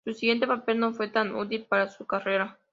Su siguiente papel no fue tan útil para su carrera.